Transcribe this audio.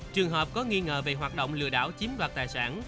trường hợp có nghi ngờ về hoạt động lừa đảo chiếm đoạt tài sản